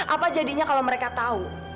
apa jadinya kalau mereka tahu